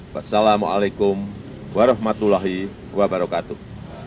wassalamu'alaikum warahmatullahi wabarakatuh